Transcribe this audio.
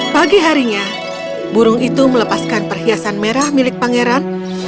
pagi harinya burung itu melepaskan perhiasan merah milik pangeran